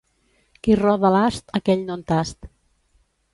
Qui roda l'ast, aquell no en tast.